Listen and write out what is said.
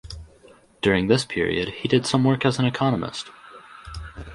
During this period he did some work as an economist.